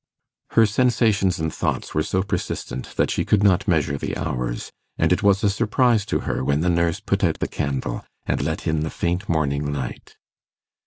Her sensations and thoughts were so persistent that she could not measure the hours, and it was a surprise to her when the nurse put out the candle, and let in the faint morning light.